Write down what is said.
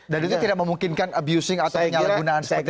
dan itu tidak memungkinkan abusing atau penyalahgunaan seperti itu